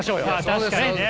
確かにね。